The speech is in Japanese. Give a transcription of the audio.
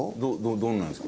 どんなのですか？